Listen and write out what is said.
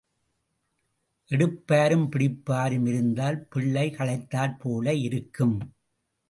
எடுப்பாரும் பிடிப்பாரும் இருந்தால் பிள்ளை களைத்தாற் போல இருக்கும்.